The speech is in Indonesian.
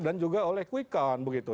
dan juga oleh quick count begitu